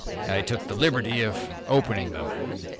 I took the liberty of opening them.